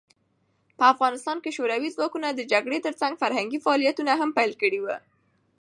په افغانستان کې شوروي ځواکونه د جګړې ترڅنګ فرهنګي فعالیتونه هم پیل کړي وو.